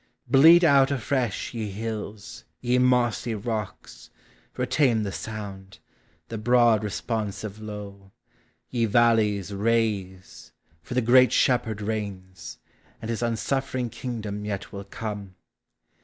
Bleat out afresh, ye hills; ye mossy rocks, Retain the sound; the broad responsive low, Ye valleys, raise; for the great Shepherd reigns, And his unsuffering kingdom yet will come.